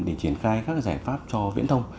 để triển khai các giải pháp cho viễn thông